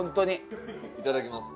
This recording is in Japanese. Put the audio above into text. いただきます。